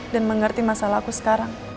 dan mengerti masalah aku sekarang